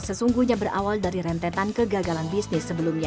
sesungguhnya berawal dari rentetan ke gagalan bisnis sebelumnya